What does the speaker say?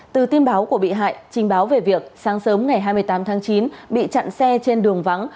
từ tin báo của bị hại trình báo về việc sáng sớm ngày hai mươi tám tháng chín bị chặn xe trên đường vắng